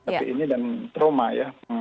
tapi ini dan trauma ya